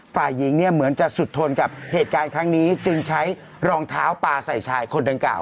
ฝ่ายหญิงเนี่ยเหมือนจะสุดทนกับเหตุการณ์ครั้งนี้จึงใช้รองเท้าปลาใส่ชายคนดังกล่าว